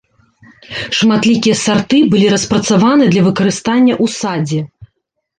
Шматлікія сарты былі распрацаваны для выкарыстання ў садзе.